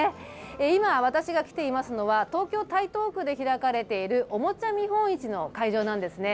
今、私が来ていますのは東京・台東区で開かれている、おもちゃ見本市の会場なんですね。